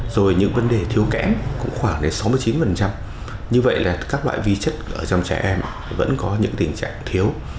rồi những vấn đề thiếu kẽm cũng khoảng đến sáu mươi chín như vậy là các loại vi chất ở trong trẻ em vẫn có những tình trạng thiếu